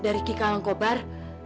dari ki kalangkobar